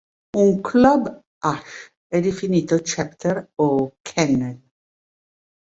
Un club Hash è definito "chapter" o "kennel".